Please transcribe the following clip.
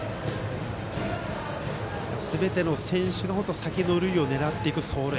すべての選手が先の塁を狙っていく走塁